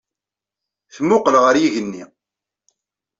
Temmuqel ɣer yigenni.